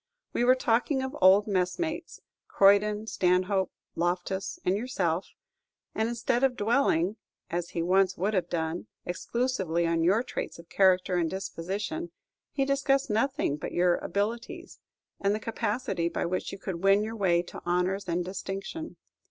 We were talking of old messmates Croydon, Stanhope, Loftus, and yourself and instead of dwelling, as he once would have done, exclusively on your traits of character and disposition, he discussed nothing but your abilities, and the capacity by which you could win your way to honors and distinction.